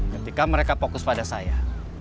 ketika mereka fokus pada saya